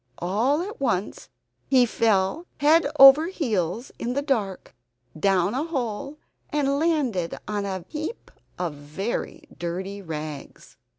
All at once he fell head over heels in the dark, down a hole, and landed on a heap of very dirty rags.